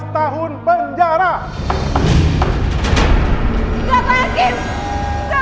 dua belas tahun perhubungan